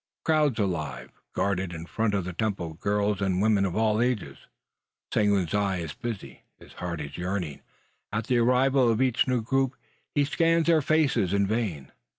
Crowds arrive, guarded, in front of the temple: girls and women of all ages. Seguin's eye is busy; his heart is yearning. At the arrival of each new group, he scans their faces. In vain!